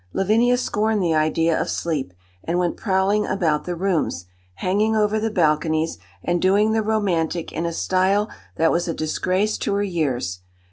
Lavinia scorned the idea of sleep, and went prowling about the rooms, hanging over the balconies, and doing the romantic in a style that was a disgrace to her years.